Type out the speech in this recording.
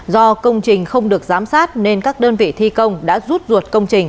do công trình không được giám sát nên các đơn vị thi công đã rút ruột công trình